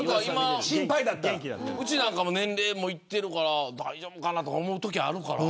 うちなんかも年齢がいってるから大丈夫かなと思うときあるから。